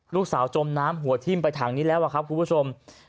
ลูกสาวจมน้ำหัวทิ้มไปทางนี้แล้วอะครับคุณผู้ชม